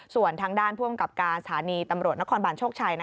ส่วนทางด้านผู้อำกับการสถานีตำรวจนครบานโชคชัย